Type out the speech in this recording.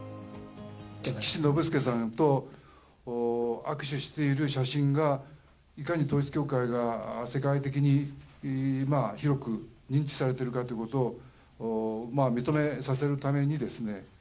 岸信介さんと握手している写真が、いかに統一教会が世界的に広く認知されてるかということを認めさせるために。